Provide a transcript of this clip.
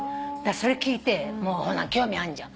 それ聞いてもう興味あんじゃん。